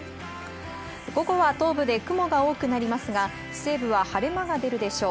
午後は東部で雲が多くなりますが西部は晴れ間が出るでしょう。